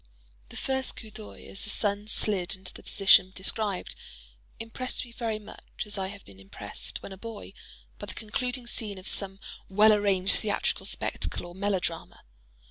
The first coup d'œil, as the sun slid into the position described, impressed me very much as I have been impressed, when a boy, by the concluding scene of some well arranged theatrical spectacle or melodrama.